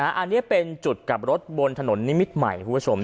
อันนี้เป็นจุดกลับรถบนถนนนิมิตรใหม่คุณผู้ชม